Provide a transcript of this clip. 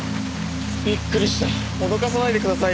びっくりしたおどかさないでくださいよ。